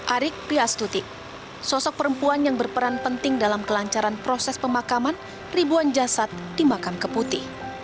arik piastuti sosok perempuan yang berperan penting dalam kelancaran proses pemakaman ribuan jasad di makam keputi